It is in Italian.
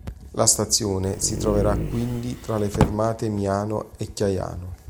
La stazione si troverà quindi tra le fermate Miano e Chiaiano.